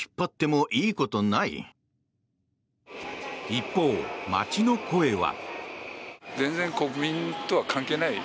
一方、街の声は。